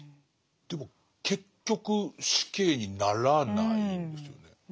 でも結局死刑にならないんですよね。